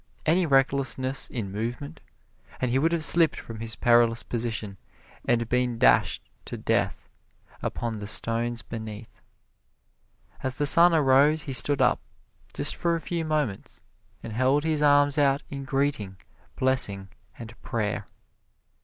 Any recklessness in movement, and he would have slipped from his perilous position and been dashed to death upon the stones beneath. As the sun arose he stood up, just for a few moments, and held his arms out in greeting, blessing and prayer.